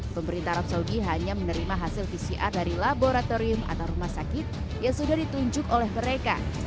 pemerintah arab saudi hanya menerima hasil pcr dari laboratorium atau rumah sakit yang sudah ditunjuk oleh mereka